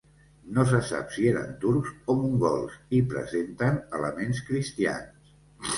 No se sap si eren turcs o mongols i presenten elements cristians.